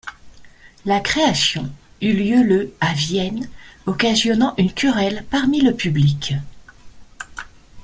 La création eut lieu le à Vienne, occasionnant une querelle parmi le public.